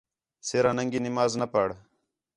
سِرا ننگی نماز نہ پڑھ